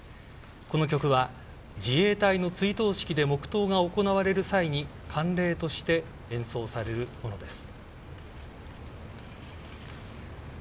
この曲は、自衛隊の追悼式で黙祷が行われる際に慣例として演奏されるものです。